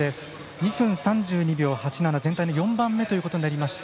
２分３２秒８７全体の４番目となりました。